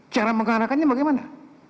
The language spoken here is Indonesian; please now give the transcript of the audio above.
cara mengarahkannya bagaimana